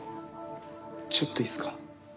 ちょっといいっすか？